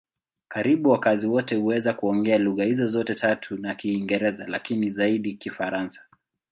Karibu wakazi wote huweza kuongea lugha hizo zote tatu na Kiingereza, lakini zaidi Kifaransa.